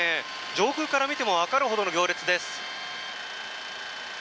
上空から見ても分かるほどの行列です。